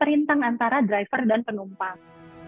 rintang antara driver dan penumpang